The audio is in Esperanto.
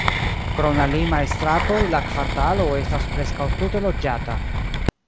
Krom la limaj stratoj, la kvartalo estas preskaŭ tute loĝata.